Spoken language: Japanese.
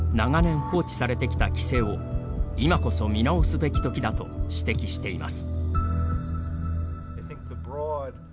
長年放置されてきた規制を今こそ見直すべきときだと指摘しています。